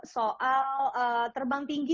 soal terbang tinggi